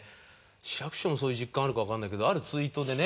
志らく師匠もそういう実感あるかわかんないけどあるツイートでね